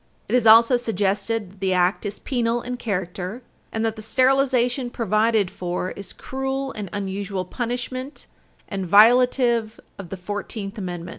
It is also suggested that the Act is penal in character, and that the sterilization provided for is cruel and unusual punishment and violative of the Fourteenth Amendment.